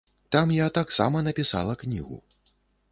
Там я таксама напісала кнігу.